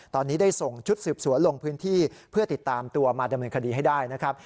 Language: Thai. ตอนนี้ได้ส่งชุดสืบสวนลงพื้นที่เพื่อติดตามตัวมาดำเนินคดีให้ได้นะครับ